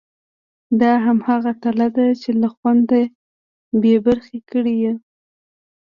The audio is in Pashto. دا همغه تله ده چې له خوند بې برخې کړي یو.